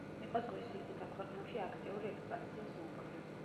იყო „ზღვისიქითა“ ქვეყნებში აქტიური ექსპანსიის მომხრე.